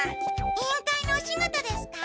委員会のお仕事ですか？